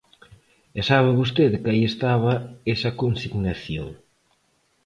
E sabe vostede que aí estaba esa consignación.